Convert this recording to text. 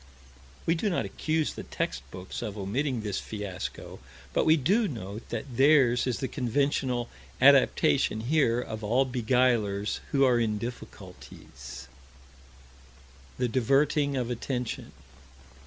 We do not accuse the text books of omitting this fiasco, but we do note that theirs is the conventional adaptation here of all beguilers who are in difficulties The diverting of attention.